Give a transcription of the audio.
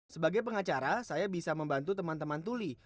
sebagai pengacara saya bisa membantu teman teman tuli